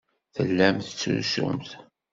Tellamt tettrusumt.